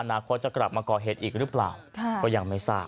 นาคตจะกลับมาก่อเหตุอีกหรือเปล่าก็ยังไม่ทราบ